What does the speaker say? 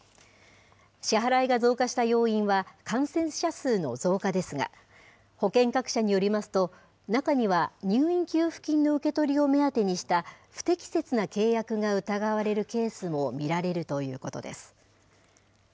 支払いが増加した要因は、感染者数の増加ですが、保険各社によりますと、中には入院給付金の受け取りを目当てにした、不適切な契約が疑われるケースも見られるということです。